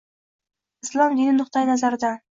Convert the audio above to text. Islom dini nuqtai nazaridan.